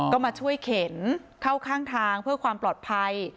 ก็มาช่วยเข็นเข้าข้างทางเพื่อความปลอดภัย